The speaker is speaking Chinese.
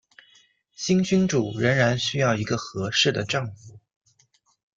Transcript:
新君主仍然需要一个合适的丈夫。